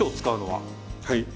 はい。